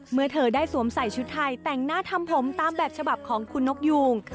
เมื่อเธอได้สวมใส่ชุดไทยแต่งหน้าทำผมตามแบบฉบับของคุณนกยูง